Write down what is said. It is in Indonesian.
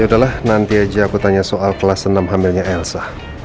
ya udahlah nanti aja aku tanya soal kelas enam hamilnya elsa